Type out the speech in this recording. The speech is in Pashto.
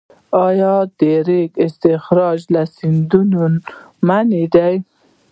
آیا د ریګ استخراج له سیندونو منع دی؟